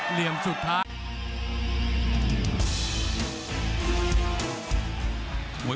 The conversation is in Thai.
เหลี่ยมสุดท้าย